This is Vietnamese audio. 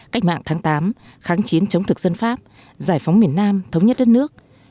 cách mạng tháng tám kháng chiến chống thực dân pháp giải phóng miền nam thống nhất đất nước